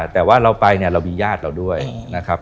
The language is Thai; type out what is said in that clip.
แต่ว่าเราไปเนี่ยเรามีญาติเราด้วยนะครับ